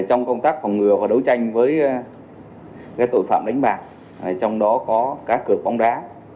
trong công tác phòng ngừa và đấu tranh với tội phạm đánh bạc trong đó có các cửa bóng đá